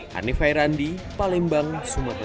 hanifairandi palembang sumatera